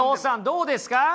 どうですか？